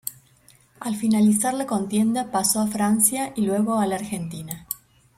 Al finalizar la contienda pasó a Francia y luego a la Argentina.